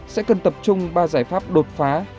sẽ cần tập trung ba giải pháp đột phá